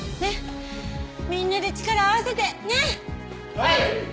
はい！